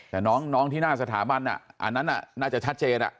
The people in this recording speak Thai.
แต่น้องที่หน้าสถาบันอันนั้นน่าจะชัดเจน